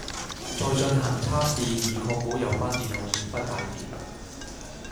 再進行測試以確保有關電路已不帶電